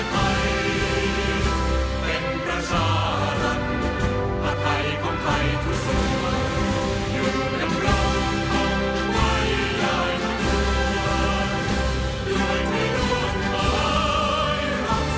แต่ทุกรกไม่กล้าเอกราชจะไม่ให้ใครคงเคลียน